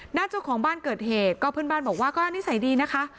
เจ้าของบ้านเกิดเหตุก็เพื่อนบ้านบอกว่าก็นิสัยดีนะคะ